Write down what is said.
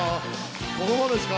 ここまでしか